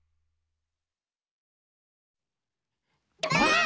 ばあっ！